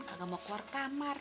kagak mau keluar kamar